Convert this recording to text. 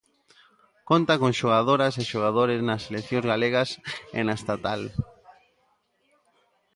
Conta con xogadoras e xogadores nas seleccións galegas e na estatal.